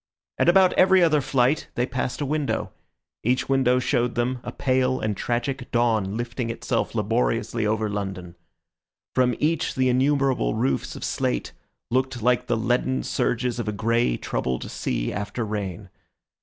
At about every other flight they passed a window; each window showed them a pale and tragic dawn lifting itself laboriously over London. From each the innumerable roofs of slate looked like the leaden surges of a grey, troubled sea after rain.